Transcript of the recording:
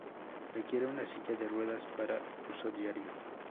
Requiere una silla de ruedas para uso diario.